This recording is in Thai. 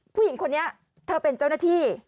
ผู้หญิงคนนี้เธอเป็นเจ้าหน้าที่